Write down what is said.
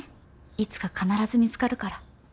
いつか必ず見つかるから。